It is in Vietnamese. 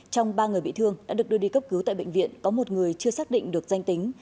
trong ba người bị thương đã được đưa đi cấp cứu tại bệnh viện có một người chưa xác định được danh tính